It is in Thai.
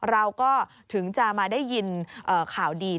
เราก็ถึงจะมาได้ยินข่าวดี